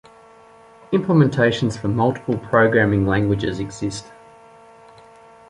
Implementations for multiple programming languages exist.